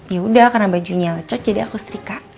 yaudah karena bajunya lecet jadi aku setrika